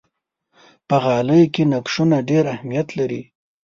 په غالۍ کې نقشونه ډېر اهمیت لري.